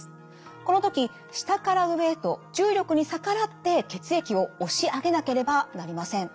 この時下から上へと重力に逆らって血液を押し上げなければなりません。